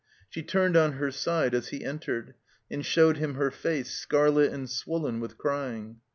She turned on her side as he entered, and showed him her face scarlet and swollen with crying.